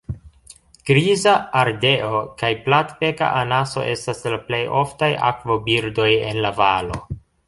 Griza ardeo kaj platbeka anaso estas la plej oftaj akvobirdoj en la valo.